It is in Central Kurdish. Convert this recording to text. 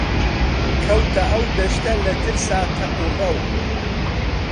کەوتە ئەو دەشتە لە ترسا تەق و ڕەو